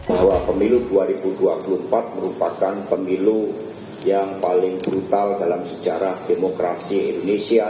bahwa pemilu dua ribu dua puluh empat merupakan pemilu yang paling brutal dalam sejarah demokrasi indonesia